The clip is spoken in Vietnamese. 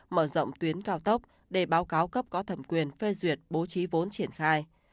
mở rộng tuyến cao tốc để báo cáo cấp có thẩm quyền phê duyệt bố trí vốn triển khai